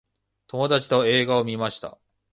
友達と映画を観ました。